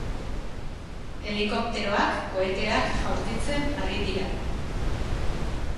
Helikopteroak koheteak jaurtitzen ari dira.